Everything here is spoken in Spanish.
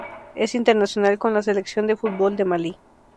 Es internacional con la selección de fútbol de Malí.